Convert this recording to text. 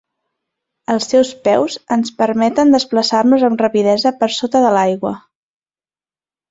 Els seus peus ens permeten desplaçar-nos amb rapidesa per sota de l'aigua.